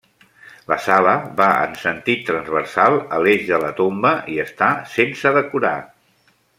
La sala va en sentit transversal a l'eix de la tomba i està sense decorar.